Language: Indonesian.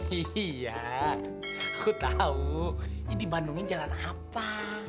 iya aku tahu ini bandungnya jalan apa